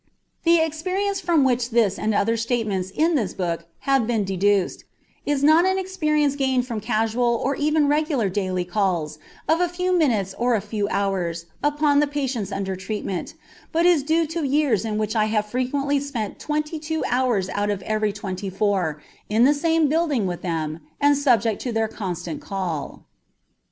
The experience from which this and other statements in this book have been deduced is not an experience gained from casual or even regular daily calls of a few minutes or a few hours upon the patients under treatment, but is due to years in which I have frequently spent twenty two hours out of every twenty four in the same building with them, and subject to their constant call.